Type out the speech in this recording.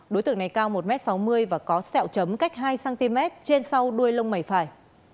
đối tượng này cao một m sáu mươi và có sẹo chấm cách hai cm trên sau đuôi lông mày phải